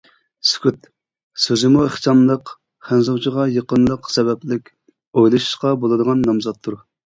«سۈكۈت» سۆزىمۇ ئىخچاملىق، خەنزۇچىغا يېقىنلىق سەۋەبلىك، ئويلىشىشقا بولىدىغان نامزاتتۇر.